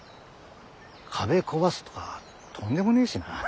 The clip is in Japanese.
壁壊すとかとんでもねえしな。